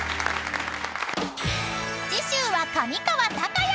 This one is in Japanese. ［次週は上川隆也！］